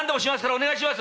お願いします。